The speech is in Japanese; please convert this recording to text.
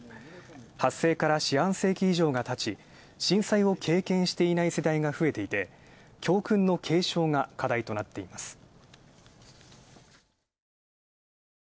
発生から四半世紀以上が立ち、震災を経験していない世代が増えていて、教訓の継承が課題となっています。